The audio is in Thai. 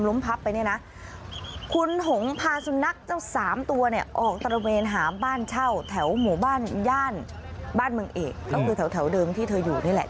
หรือได้มีพฤติกรรมอะไรแบบเนี้ยค่ะค่ะเอากันเดี๋ยวก็รอดูผลแล้วกันนะคะ